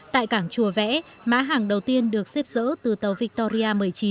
tại cảng chùa vẽ mã hàng đầu tiên được xếp dỡ từ tàu victoria một mươi chín